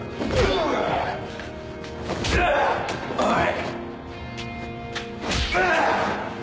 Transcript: おい！